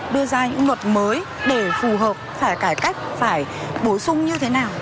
đưa ra những luật mới để phù hợp phải cải cách phải bổ sung như thế nào